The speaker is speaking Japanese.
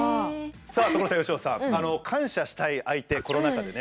さあ所さん佳乃さん感謝したい相手コロナ禍でね